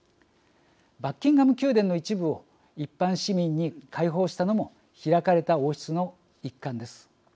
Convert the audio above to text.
バッキンガム宮殿の一部を一般市民に開放したのも「開かれた王室」の一環です。